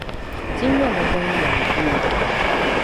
Ti nyɛla ban yɛn gu o.